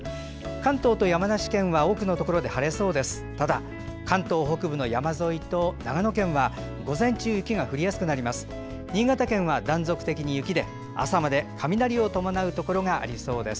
関東と山梨県は多くのところで晴れそうです。